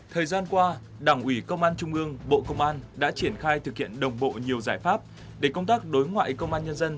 thời gian qua đảng ủy công an trung ương bộ công an đã triển khai thực hiện đồng bộ nhiều giải pháp để công tác đối ngoại công an nhân dân